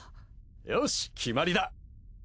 よし決まりだ。